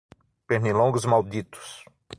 Pernilongos malditos